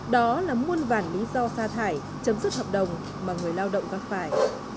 đó là muôn vản lý do sa thải chấm dứt hợp đồng mà người lao động gắt phải